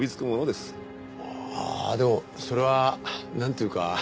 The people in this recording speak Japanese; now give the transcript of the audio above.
ああでもそれはなんというか。